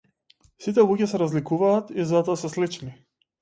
Сите луѓе се разликуваат и затоа се слични.